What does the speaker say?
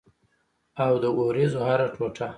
او د اوریځو هره ټوټه